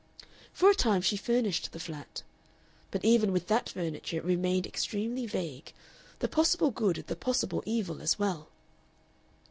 For a time she furnished the flat. But even with that furniture it remained extremely vague, the possible good and the possible evil as well!